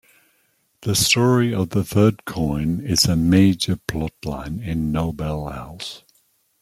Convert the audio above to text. The story of the third coin is a major plot line in "Noble House".